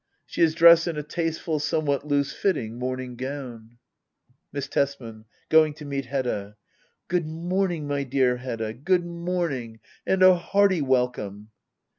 She is dressed in a tasteful somewhat loose Jitting morning gown. Miss Tesman. [Going to meet Hedda.] Good mornings my dear Hedda ! Good morning, and a hearty welcome